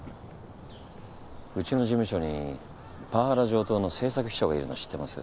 うちの事務所にパワハラ上等の政策秘書がいるの知ってます？